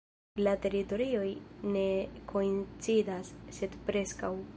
La teritorioj ne koincidas, sed preskaŭ.